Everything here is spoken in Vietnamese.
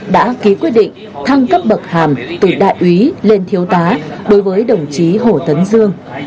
đã ký quyết định thăng cấp bậc hàm từ đại úy lên thiếu tá đối với đồng chí hồ tấn dương